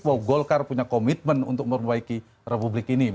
bahwa golkar punya komitmen untuk memperbaiki republik ini